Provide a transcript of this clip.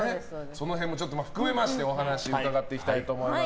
その辺も含めましてお話を伺っていきたいと思います。